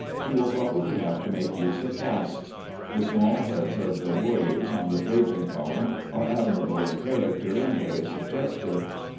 He will probably have to make use of casts. The small heads of the warriors on the Trajan Column are admirable in character and very suggestive.